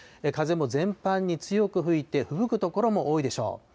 風も全般に強く吹いてふぶく所も多いでしょう。